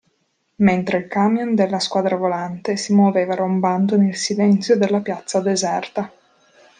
Mentre il camion della Squadra Volante si muoveva rombando nel silenzio della piazza deserta.